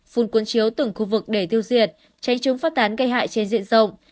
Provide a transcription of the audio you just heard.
phun cuốn chiếu từng khu vực để tiêu diệt tránh chống phát tán gây hại trên diện rộng